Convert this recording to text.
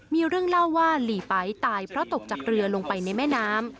มีเรื่องเล่าว่าหลีไป๊ตายเพราะตกจากเรือลงไปในแม่น้ำ